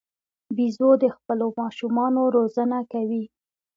بیزو د خپلو ماشومانو روزنه کوي.